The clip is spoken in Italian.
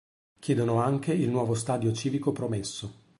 Chiedono anche il nuovo stadio civico promesso.